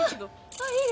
ああいい！